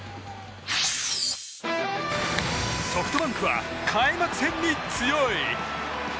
ソフトバンクは開幕戦に強い！